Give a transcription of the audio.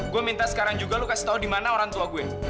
gue minta sekarang juga lu kasih tau dimana orang tua gue